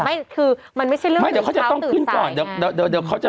มันไม่ใช่เรื่องคือเช้าตื่นใจไงไม่แต่เขาจะต้องขึ้นก่อนเดี๋ยวเดี๋ยว